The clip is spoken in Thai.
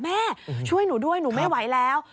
แม่ช่วยหนูด้วยหนูไม่ไหวแล้ว